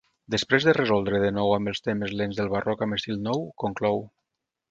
Després de resoldre de nou amb els temes lents del barroc amb estil nou, conclou.